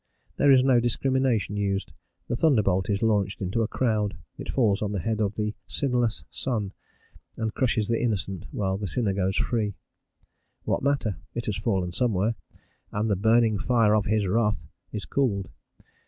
There is no discrimination used; the thunderbolt is launched into a crowd: it falls on the head of the "sinless son," and crushes the innocent, while the sinner goes free. What matter? It has fallen somewhere, and the "burning fire of his wrath" is cooled.